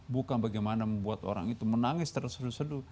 bukan bagaimana membuat orang itu menangis tersedul sedul